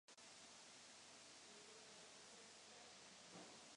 Cech tu založil mistrovskou školu pro malířské řemeslo.